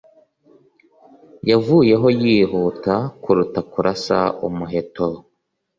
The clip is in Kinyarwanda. yavuyeho yihuta kuruta kurasa umuheto